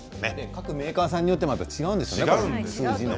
各メーカーさんによって数字が違うんでしょうね。